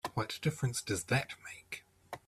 What difference does that make?